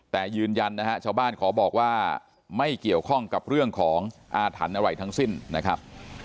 แต่ยืนยันนะฮะชาวบ้านขอบอกว่าไม่เกี่ยวข้องกับเรื่องของอาถรรพ์อะไรทั้งสิ้นนะครับ